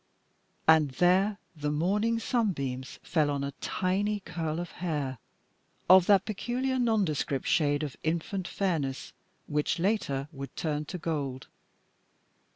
And there the morning sunbeams fell on a tiny curl of hair, of that peculiar nondescript shade of infant fairness which later would turn to gold.